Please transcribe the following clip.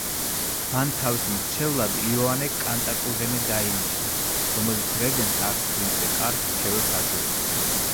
მან თავის მრჩევლად იოანე კანტაკუზენე დაინიშნა, რომელიც რეგენტს არც თუ ისე კარგ რჩევებს აძლევდა.